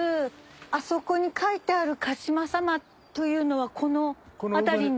あそこに書いてあるかしま様というのはこの辺りに？